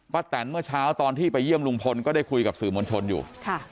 แตนเมื่อเช้าตอนที่ไปเยี่ยมลุงพลก็ได้คุยกับสื่อมวลชนอยู่